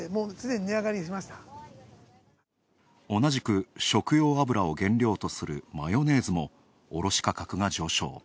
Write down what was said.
同じく食用油を原料とするマヨネーズも卸価格が上昇。